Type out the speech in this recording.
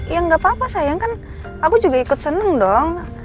ya nggak apa apa sayang kan aku juga ikut seneng dong